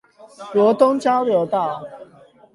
羅東交流道